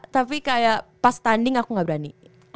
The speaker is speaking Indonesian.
tapi kayak pas tanding aku gak berani